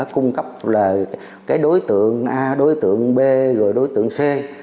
cung cấp là cái đối tượng a đối tượng b rồi đối tượng c